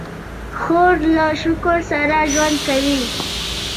خور له شکر سره ژوند کوي.